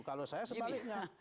kalau saya sebaliknya